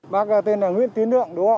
bác tên là nguyễn tiến đượng đúng không